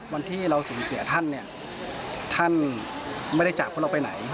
วันที่เราสูญเสียท่านเนี่ยท่านท่านไม่ได้จากเพราะเราไปไหน